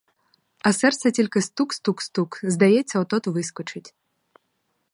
А серце тільки стук, стук, стук: здається, от-от вискочить.